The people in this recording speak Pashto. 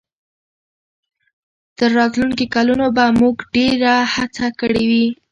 تر راتلونکو کلونو به موږ ډېره هڅه کړې وي.